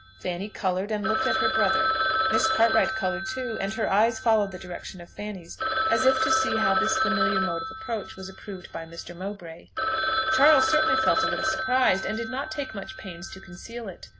Fanny coloured, and looked at her brother. Miss Cartwright coloured too; and her eyes followed the direction of Fanny's, as if to see how this familiar mode of approach was approved by Mr. Mowbray. Charles certainly felt a little surprised, and did not take much pains to conceal it.